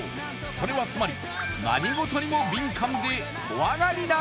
それはつまり何事にも敏感で怖がりな